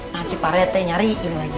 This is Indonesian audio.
nanti parahnya tanya nyariin lagi